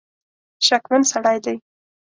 شکمن سړی دی.